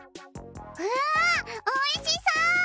うわあおいしそう！